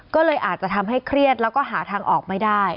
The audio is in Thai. ก็เลยอาจจะทำให้เครียดแล้วก็หาทางออกไม่ได้